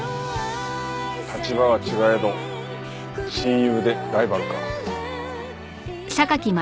立場は違えど親友でライバルか。